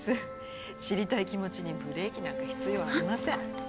知りたい気持ちにブレーキなんか必要ありません。